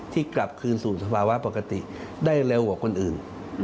กลับคืนสู่สภาวะปกติได้เร็วกว่าคนอื่น